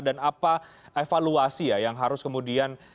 dan apa evaluasi ya yang harus kemudian